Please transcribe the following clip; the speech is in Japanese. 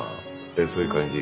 そういう感じ。